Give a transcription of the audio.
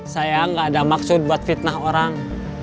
saya nggak ada maksud buat fitnah orang